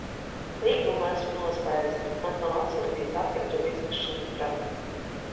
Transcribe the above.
Līgumu esmu noslēdzis, bet man nav atsūtīts atkritumu izvešanas grafiks.